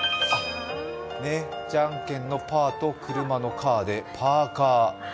じゃんけんのパーと車のカーでパーカー。